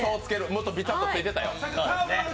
もっとビタッとついてたよ。